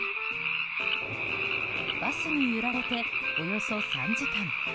バスに揺られて、およそ３時間。